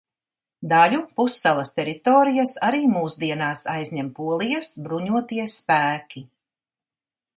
Daļu pussalas teritorijas arī mūsdienās aizņem Polijas bruņotie spēki.